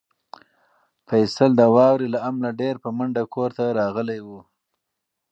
فیصل د واورې له امله ډېر په منډه کور ته راغلی و.